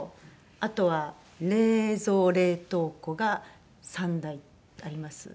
あとは冷蔵冷凍庫が３台あります。